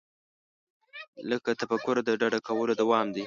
له تفکره د ډډه کولو دوام دی.